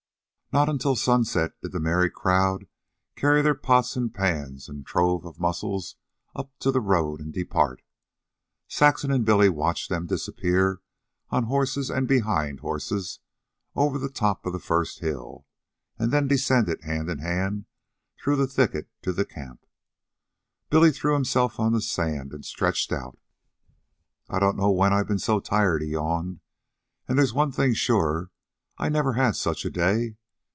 Not until sunset did the merry crowd carry their pots and pans and trove of mussels up to the road and depart. Saxon and Billy watched them disappear, on horses and behind horses, over the top of the first hill, and then descended hand in hand through the thicket to the camp. Billy threw himself on the sand and stretched out. "I don't know when I've been so tired," he yawned. "An' there's one thing sure: I never had such a day.